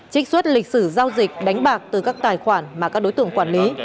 trích xuất lịch sử giao dịch đánh bạc từ các tài khoản mà các đối tượng quản lý